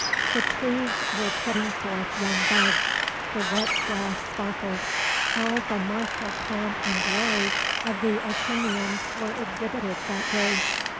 The trees were putting forth young buds; the wet grass sparkled. All the martial pomp and glory of the Ultonians were exhibited that day.